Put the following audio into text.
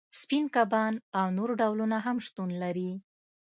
سپین کبان او نور ډولونه هم شتون لري